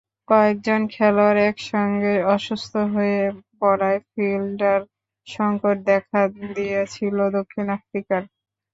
কয়েকজন খেলোয়াড় একসঙ্গে অসুস্থ হয়ে পড়ায় ফিল্ডার সংকট দেখা দিয়েছিল দক্ষিণ আফ্রিকার।